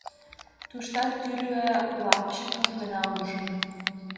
Туштат тӱрлӧ лапчыкым гына ужым.